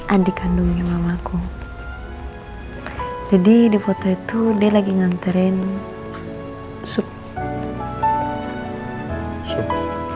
adik kandungnya mamaku jadi di foto itu dia lagi nganterin sup